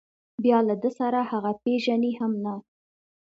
بیا له ده سره هغه پېژني هم نه.